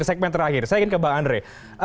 sekmen terakhir saya akan ke bang andre